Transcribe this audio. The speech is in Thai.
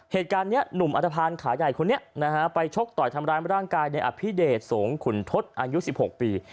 เหตุการณ์นี้หนุ่มอัตภัณฑ์ขาใหญ่คนนี้นะฮะไปชกต่อยทำร้ายร่างกายในอภิเดชสงขุนทศอายุ๑๖ปี